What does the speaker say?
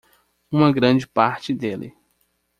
uma grande parte dele